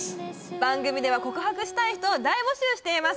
番組では告白したい人を大募集しています